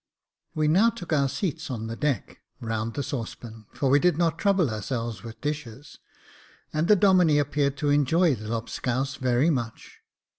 We now took our seats on the deck, round the saucepan, for we did not trouble ourselves with dishes, and the Domine appeared to enjoy the lobscouse very much.